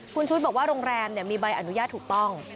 คุณชุวิตบอกว่าโรงแรมมีใบอนุญาตถูกต้อง